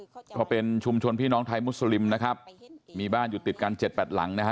ก็เป็นชุมชนพี่น้องไทยมุสลิมนะครับมีบ้านอยู่ติดกันเจ็ดแปดหลังนะฮะ